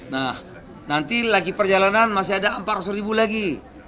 nah nanti lagi perjalanan masih ada empat ratus ribu lagi